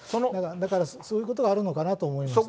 だからそういうことがあるのかなと思いました。